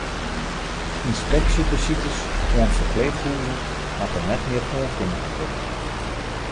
Ynspeksjebesites oan ferpleechhûzen moatte net mear oankundige wurde.